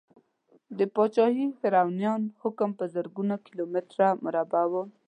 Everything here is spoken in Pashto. د پاچاهي فرعونیانو حکم په زرګونو کیلو متره مربع و.